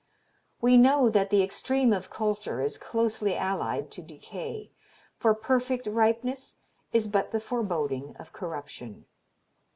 We know that the extreme of culture is closely allied to decay; for perfect ripeness is but the foreboding of corruption.